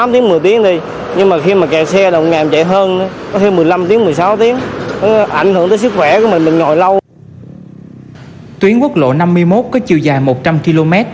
tuyến quốc lộ năm mươi một có chiều dài một trăm linh km